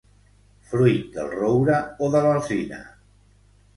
Fruit del roure o de l'alzina.